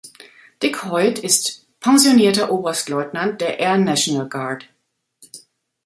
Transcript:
Dick Hoyt ist pensionierter Oberstleutnant der Air National Guard.